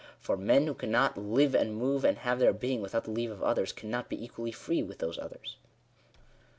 For, men who cannot " live and move and have their being" without the leave of others, cannot be equally free with those others.